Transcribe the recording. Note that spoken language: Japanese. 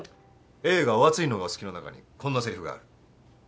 映画『お熱いのがお好き』の中にこんなせりふがある。